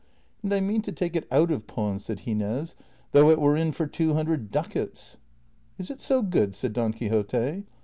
" And I mean to take it out of pawn," said Gines, " though it were in for two hundred ducats." " Is it so good ?" said Don Quixote.